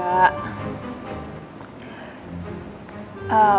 put pulang kampus lo mau kemana